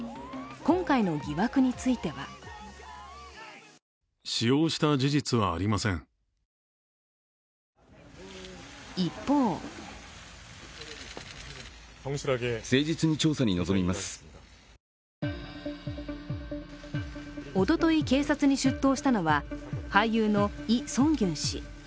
今回の疑惑については一方おととい、警察に出頭したのは俳優のイ・ソンギュン氏。